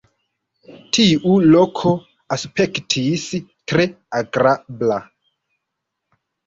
Tiu loko aspektis tre agrabla..